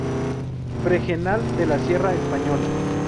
Fregenal de la Sierra, España